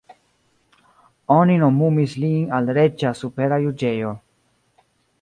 Oni nomumis lin al reĝa supera juĝejo.